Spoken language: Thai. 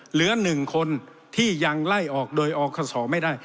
เหลือ๑คนที่ยังไล่ออกโดยอคศไม่ได้